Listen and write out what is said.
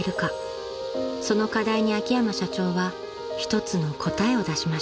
［その課題に秋山社長は一つの答えを出しました］